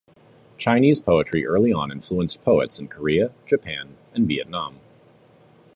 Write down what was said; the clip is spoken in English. Chinese poetry early on influenced poets in Korea, Japan, and Vietnam.